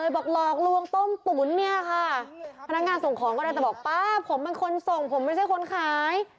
หลอกลวงต้มตุ๋นเนี่ยค่ะพนักงานส่งของก็ได้แต่บอกป้าผมเป็นคนส่งผมไม่ใช่คนขาย